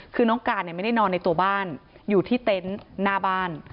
คือน้องการไม่ได้นอนในตัวบ้านอยู่ที่เต็นต์หน้าบ้าน